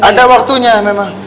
ada waktunya memang